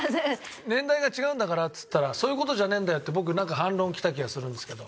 年代が違うんだからっつったらそういう事じゃねえんだよって僕なんか反論きた気がするんですけど。